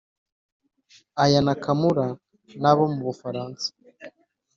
Aya Nakamura na bo mu Bufaransa